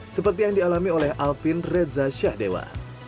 seperti yang dialami oleh alvin reza syahdewa